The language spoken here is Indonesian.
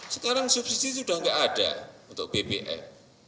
sekarang subsidi sudah tidak ada untuk bbm